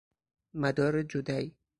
مدار جدی